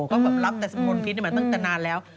ก็แบบรับแต่สงวนพิษมาตั้งแต่นานแล้ว